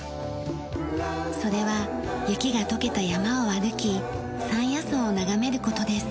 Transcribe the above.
それは雪が解けた山を歩き山野草を眺める事です。